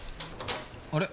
あれ？